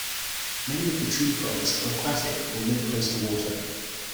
Many of the true frogs are aquatic or live close to water.